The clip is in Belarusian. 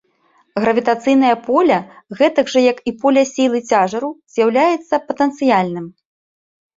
Гравітацыйнае поле, гэтак жа як і поле сілы цяжару, з'яўляецца патэнцыяльным.